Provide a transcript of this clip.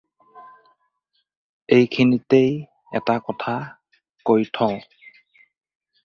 এইখিনিতে এটা কথা কৈ থওঁ।